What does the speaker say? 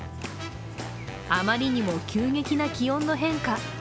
あまりにも急激な気温の変化。